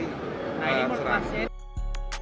nah ini murka mas